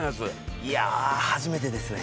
いや初めてですね。